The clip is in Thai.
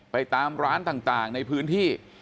ไปตามร้านต่างในพื้นที่